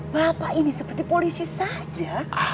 bapak ini seperti polisi saja